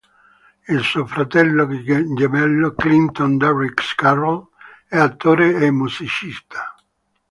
Il suo fratello gemello Clinton Derricks-Carroll è attore e musicista.